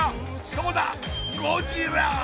どうだゴジラ！